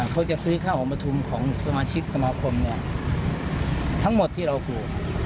เขาจะซื้อข้าวออกมาทุมของสมาชิกสมาคมทั้งหมดที่เราครู